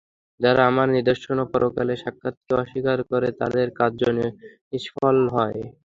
যারা আমার নিদর্শন ও পরকালে সাক্ষাৎকে অস্বীকার করে তাদের কার্য নিষ্ফল হয়।